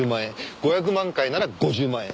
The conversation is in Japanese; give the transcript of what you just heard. ５００万回なら５０万円。